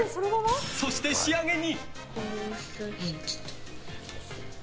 そして、仕上げに。